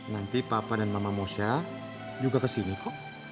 nanti papa dan mama mosha juga kesini kok